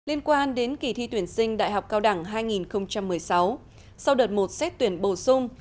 liên quan đến kỳ thi tuyển sinh đại học cao đẳng hai nghìn một mươi sáu sau đợt một xét tuyển bổ sung